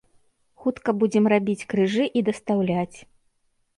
Хутка будзем рабіць крыжы і дастаўляць.